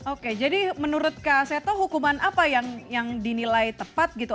oke jadi menurut kak seto hukuman apa yang dinilai tepat gitu